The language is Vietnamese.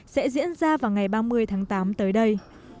sẽ diễn ra vào ngày ba mươi tháng tám tới đây